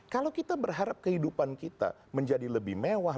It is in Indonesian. kalau kita berharap kehidupan kita menjadi lebih mewah